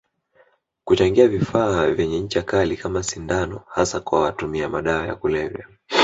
Kuchangia vifaa vyenye ncha Kali kama sindano hasa kwa watumia madawa ya kulevya